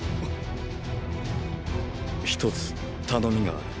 一つ頼みがある。